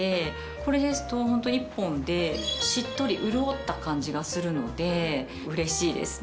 これですとホント１本でしっとり潤った感じがするのでうれしいですね。